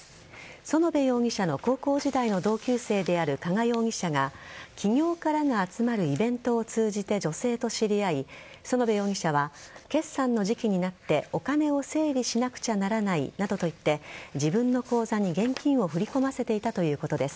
園部容疑者の高校時代の同級生である加賀容疑者が起業家らが集まるイベントを通じて女性らと知り合い園部容疑者は決算の時期になってお金を整理しなければならないなどと言って自分の口座に現金を振り込ませていたということです。